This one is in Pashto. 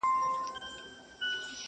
شهنشاه یمه د غرونو زه زمری یم،